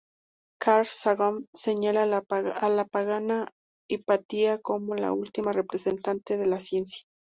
Carl Sagan señala a la pagana Hipatia como la última representante de la ciencia.